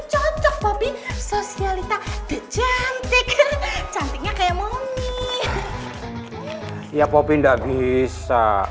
cocok tapi sosialita decantik cantiknya kayak momi ya popi ndak bisa